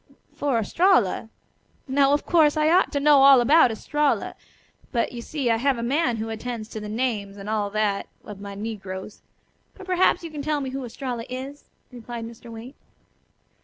"For Estralla? Now, of course, I ought to know all about Estralla. But, you see, I have a man who attends to the names, and all that, of my negroes. But perhaps you can tell me who Estralla is?" replied Mr. Waite.